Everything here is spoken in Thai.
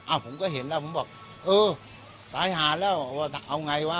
ผมก็เห็นแล้วผมบอกเออสายหาแล้วว่าเอาไงวะ